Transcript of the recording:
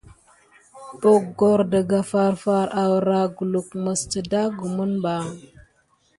Boggor daka farfari arua kulukeb mis teɗa kumine ɓa.